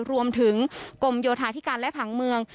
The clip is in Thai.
รวมถึงกรมโยธาธิการและผังเมือง